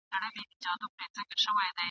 د بمونو راکټونو له هیبته ..